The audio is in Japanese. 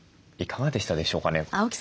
いかがでしたでしょうかね？